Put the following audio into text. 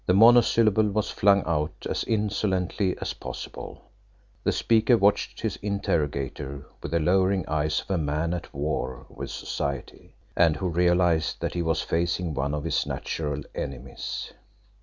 The monosyllable was flung out as insolently as possible. The speaker watched his interrogator with the lowering eyes of a man at war with society, and who realised that he was facing one of his natural enemies.